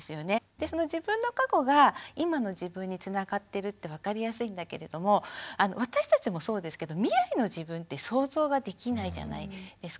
でその自分の過去が今の自分につながってるって分かりやすいんだけれども私たちもそうですけど未来の自分って想像ができないじゃないですか。